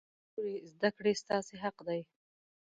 لورې! زده کړې ستاسې حق دی.